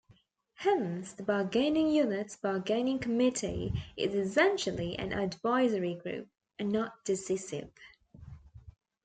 Hence the bargaining unit's bargaining committee is essentially an advisory group, and not decisive.